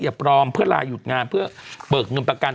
ปลอมเพื่อลายุดงานเพื่อเบิกเงินประกัน